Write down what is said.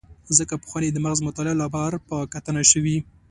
ځکه پخوانۍ د مغز مطالعه له بهر په کتنه شوې.